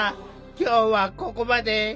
今日はここまで。